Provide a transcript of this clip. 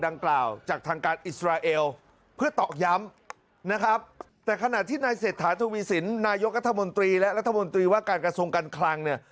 นะครับแต่ขณะที่นายเศรษฐานธุวีศิลป์นายกรัฐมนตรีและรัฐมนตรีว่าการกระทรวงกันคลัง